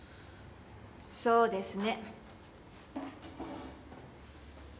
そうですね。